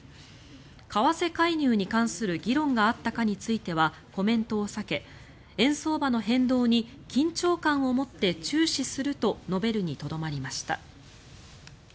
為替介入に関する議論があったかについてはコメントを避け円相場の変動に緊張感を持って注視すると述べるにとどめました。